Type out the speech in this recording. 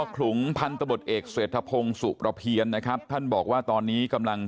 ขลุงพันธบทเอกเศรษฐพงศ์สุประเพียรนะครับท่านบอกว่าตอนนี้กำลัง